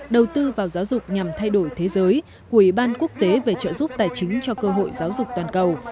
đầu tư vào giáo dục nhằm thay đổi thế giới của ủy ban quốc tế về trợ giúp tài chính cho cơ hội giáo dục toàn cầu